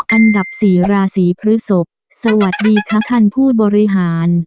อันดับสี่ราศีพฤศพสวัสดีค่ะท่านผู้บริหาร